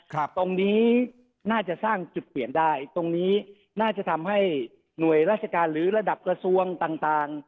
ตรงนี้น่าจะสร้างจุดเปลี่ยนได้ตรงนี้น่าจะทำให้หน่วยราชการหรือระดับกระทรวงต่างต่าง